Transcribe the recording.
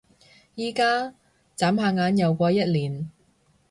而家？眨下眼又過一年